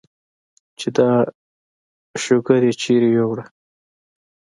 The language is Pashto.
چې دا شوګر ئې چرته يوړۀ ؟